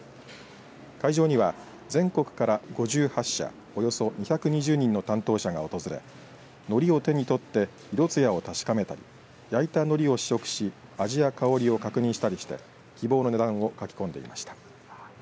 会場には全国から５８社およそ２２０人の担当者が訪れのりを手に取って色つやを確かめたり焼いたのりを試食し味や香りを確認したりして希望の値段を書き込んでいました。